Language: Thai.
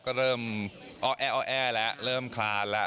ก็เริ่มอ้อแอแล้วเริ่มคลานแล้ว